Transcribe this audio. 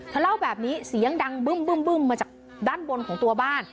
เล่าแบบนี้เสียงดังบึ้มมาจากด้านบนของตัวบ้าน